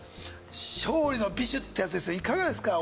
勝利の美酒ってやつですがいかがですか？